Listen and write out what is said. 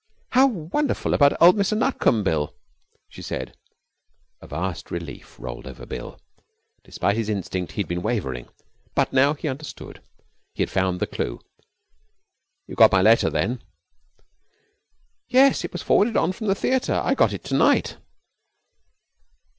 'How wonderful about old Mr Nutcombe, Bill!' she said. A vast relief rolled over Bill. Despite his instinct, he had been wavering. But now he understood. He had found the clue. 'You got my letter, then?' 'Yes; it was forwarded on from the theatre. I got it to night.'